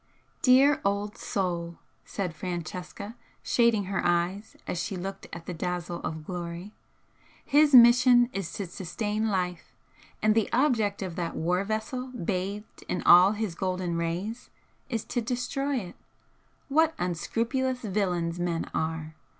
"Dear old Sol!" said Francesca, shading her eyes as she looked at the dazzle of glory "His mission is to sustain life, and the object of that war vessel bathed in all his golden rays is to destroy it. What unscrupulous villains men are!